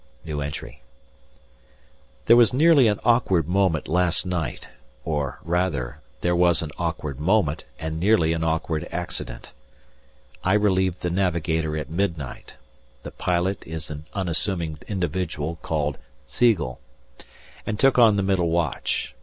There was nearly an awkward moment last night, or, rather, there was an awkward moment, and nearly an awkward accident. I relieved the navigator at midnight (the pilot is an unassuming individual called Siegel) and took on the middle watch.